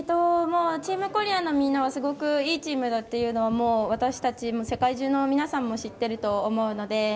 チームコリアのみんなはすごくいいチームだというのを私たち、世界中の皆さんも知っていると思うので。